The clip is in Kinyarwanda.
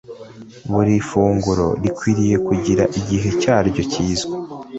Buri funguro rikwiriye kugira igihe cyaryo kizwi.